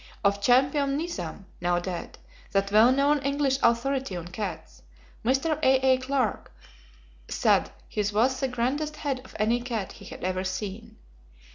Of Champion Nizam (now dead) that well known English authority on cats, Mr. A.A. Clark, said his was the grandest head of any cat he had ever seen.